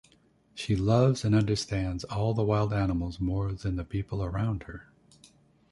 She loves and understands all the wild animals more than the people around her.